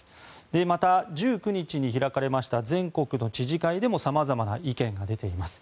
また１９日に開かれた全国知事会でもさまざまな意見が出ています。